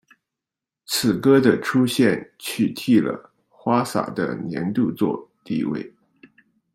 此歌的出现取替了花洒的年度作地位。